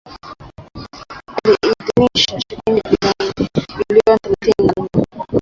aliidhinisha shilingi bilioni thelathini na nne